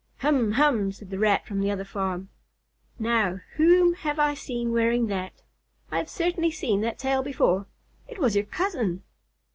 "Hum hum!" said the Rat from the other farm. "Now, whom have I seen wearing that? I have certainly seen that tail before it was your cousin!"